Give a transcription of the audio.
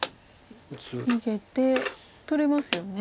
逃げて取れますよね。